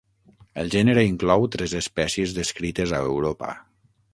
El gènere inclou tres espècies descrites a Europa.